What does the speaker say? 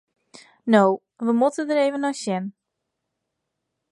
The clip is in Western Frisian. No, we moatte der even nei sjen.